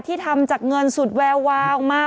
ที่ทำจากเงินสุดแววมา